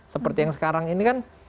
seperti yang sekarang ini kan